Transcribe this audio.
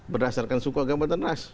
berdasarkan suku agama dan ras